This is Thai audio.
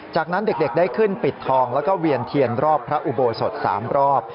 จากนั้นเด็กได้ขึ้นปิดทองแล้วก็เวียนเทียนรอบพระอุโบสถ๓รอบ